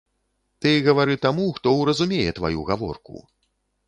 Ты гавары таму, хто ўразумее тваю гаворку.